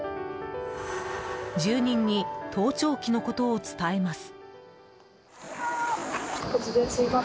住人に盗聴器のことを伝えます。